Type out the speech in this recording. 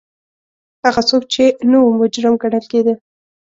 هغه څوک چې نه و مجرم ګڼل کېده.